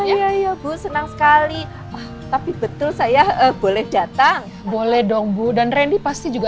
iya iya bu senang sekali tapi betul saya boleh datang boleh dong bu dan randy pasti juga